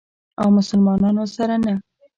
او مسلمانانو سره نه.